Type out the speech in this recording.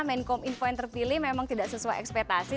menkom info yang terpilih memang tidak sesuai ekspetasi